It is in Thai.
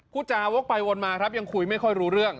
พูดจาวกไปวนมาครับยังคุยไม่ค่อยรู้เรื่อง